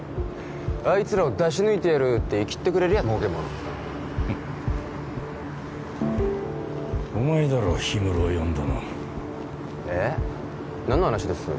あいつらを出し抜いてやるってイキってくれりゃ儲けものフッお前だろヒムロを呼んだのえっ何の話です？